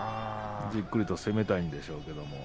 じっくりと攻めたいんでしょうけどね。